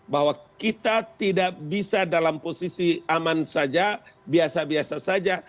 bahwa kita tidak bisa dalam posisi aman saja biasa biasa saja